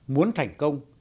muốn thành công